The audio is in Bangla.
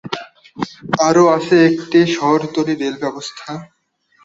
আরও আছে একটি শহরতলী রেল ব্যবস্থা।